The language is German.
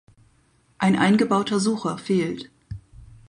Ein eingebauter Sucher fehlt.